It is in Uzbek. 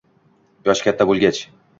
yoshi katta bo‘lgach